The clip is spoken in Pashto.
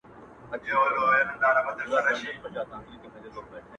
ما دي د کوثر په نوم د زهرو جام چښلی دی،